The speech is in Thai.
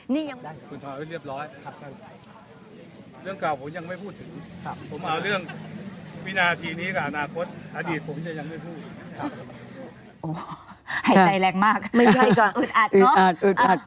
นี่ยังคุณผู้ชมหายใจแรงมากอุดอัดเนอะ